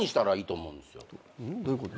どういうこと？